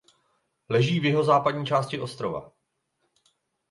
Leží v jihozápadní části ostrova.